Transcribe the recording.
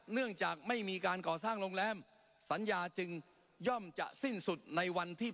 เนื่องจากไม่มีการก่อสร้างโรงแรมสัญญาจึงย่อมจะสิ้นสุดในวันที่